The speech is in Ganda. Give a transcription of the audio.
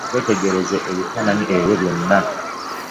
Weetegereze ebifaananyi ebyo byonna.